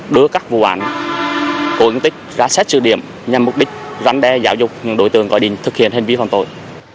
đưa các vụ ảnh cội gây thương tích ra xét sự điểm nhằm mục đích rắn đe giáo dục những đối tượng gọi định thực hiện hình ví phạm tội